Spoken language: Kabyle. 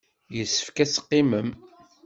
Yessefk ad teqqimem.